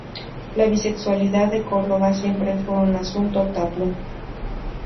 La bisexualidad de Córdova siempre fue un asunto tabú.